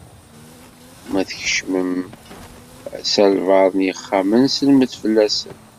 Ma tkecmem s albaɛḍ n yexxamen, sellmet fell-asen.